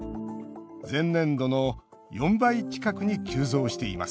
前年度の４倍近くに急増しています。